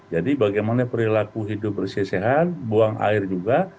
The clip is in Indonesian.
jadi bagaimana perilaku hidup bersih dan sehat buang air juga